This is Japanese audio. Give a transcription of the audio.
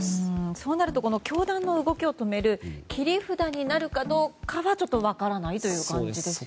そうなると教団の動きを止める切り札になるかどうかは分からないということですね。